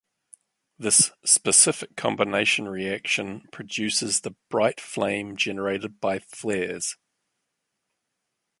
This specific combination reaction produces the bright flame generated by flares.